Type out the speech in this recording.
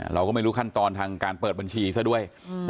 เราก็ไม่รู้ขั้นตอนทางการเปิดบัญชีซะด้วย